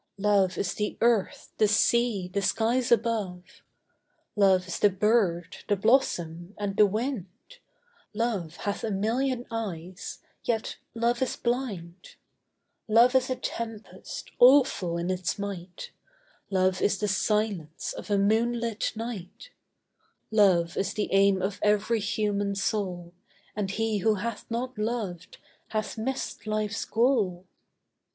Love is the earth, the sea, the skies above; Love is the bird, the blossom, and the wind; Love hath a million eyes, yet love is blind; Love is a tempest, awful in its might; Love is the silence of a moon lit night; Love is the aim of every human soul; And he who hath not loved hath missed life's goal!